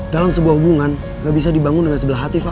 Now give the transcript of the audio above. dalam sebuah hubungan gak bisa dibangun dengan sebelah hati pak